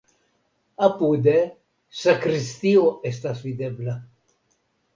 Apude sakristio estas videbla.